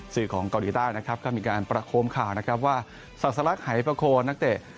สื่อของเกาหลีใต้นะครับก็มีการประโคมข่าวนะครับว่าศาสลักหายประโคนนักเตะ